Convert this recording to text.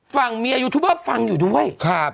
ฟังเมียยูทูปเบอร์ฟังอยู่ด้วย